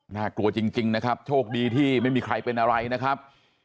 น่ากลัวจริงนะครับโชคดีที่ไม่มีใครเป็นอะไรนะครับ